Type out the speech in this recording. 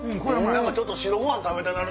ちょっと白ご飯食べたなる。